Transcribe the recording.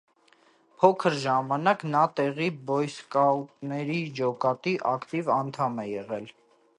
Փոքր ժամանակ նա տեղի բոյսկաուտների ջոկատի ակտիվ անդամ է եղել։